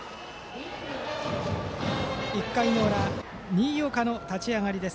１回の裏、新岡の立ち上がりです。